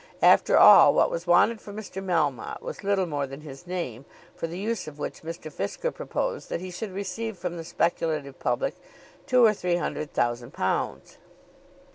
After all, what was wanted from Mr. Melmotte was little more than his name, for the use of which Mr. Fisker proposed that he should receive from the speculative public two or three hundred thousand pounds.